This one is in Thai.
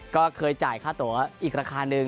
ก็เคยจ่ายค่าตัวอีกราคาหนึ่ง